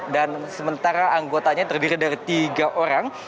dan sementara anggotanya terdiri dari tiga orang